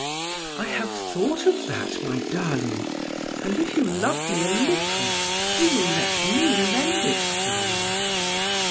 "I have thought of that, my darling, and if you love me a little, you will let me lend it to you."